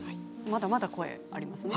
まだまだ声がありますか？